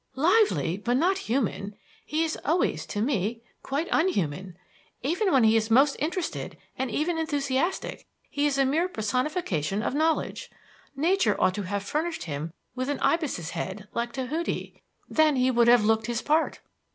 "Lively, but not human. He is always, to me, quite unhuman. Even when he is most interested, and even enthusiastic, he is a mere personification of knowledge. Nature ought to have furnished him with an ibis's head like Tahuti; then he would have looked his part."